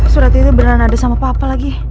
surat itu benar ada sama papa lagi